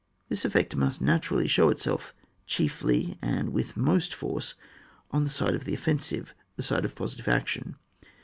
This effect must naturally show itself chiefly and with most force on the side of the offensive, the side of positive action.